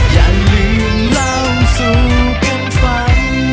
อย่าลืมเล่าสู่ความฝัน